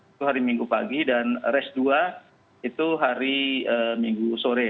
itu hari minggu pagi dan race dua itu hari minggu sore